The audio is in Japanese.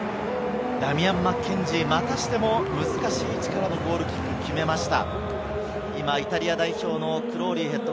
ダミアン・マッケンジー、またしても難しい位置からのゴールキックを決めました。